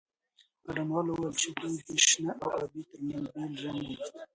ګډونوالو وویل چې دوی د شنه او ابي ترمنځ بېل رنګ ولید.